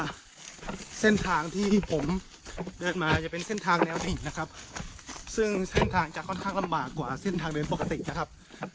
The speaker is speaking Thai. เส้นทางที่ผมเดินมาจะเป็นเส้นทางแนวดิ่งนะครับซึ่งเส้นทางจะค่อนข้างลำบากกว่าเส้นทางเดินปกตินะครับ